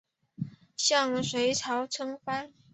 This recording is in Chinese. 向隋朝称藩。